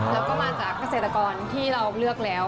แล้วก็มาจากเกษตรกรที่เราเลือกแล้ว